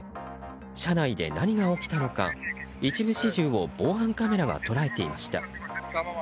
車内で何が起きたのか一部始終を防犯カメラが捉えていました。